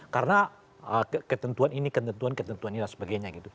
karena ketentuan ini ketentuan itu dan sebagainya